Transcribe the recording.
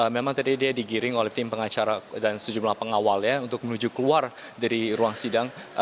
memang tadi dia digiring oleh tim pengacara dan sejumlah pengawalnya untuk menuju keluar dari ruang sidang